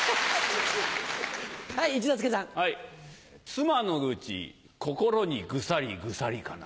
妻の愚痴心にぐさりぐさりかな。